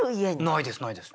ないですないです。